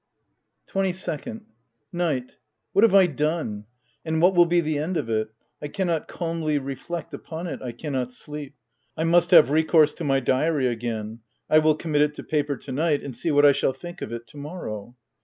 Twenty second. Night— What have I done ? and what will be the end of it? I cannot calmly reflect upon it; I cannot sleep. I must have recourse to my diary again ; I will commit it to paper to night, and see what I shall think of it to morrow.